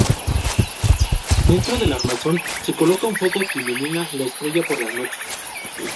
Dentro del armazón se coloca un foco que ilumina la estrella por las noches.